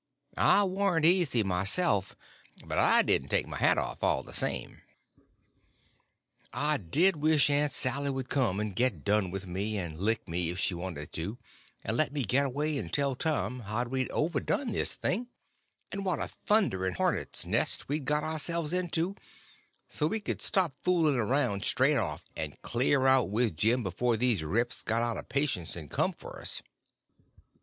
I warn't easy myself, but I didn't take my hat off, all the same. I did wish Aunt Sally would come, and get done with me, and lick me, if she wanted to, and let me get away and tell Tom how we'd overdone this thing, and what a thundering hornet's nest we'd got ourselves into, so we could stop fooling around straight off, and clear out with Jim before these rips got out of patience and come for us.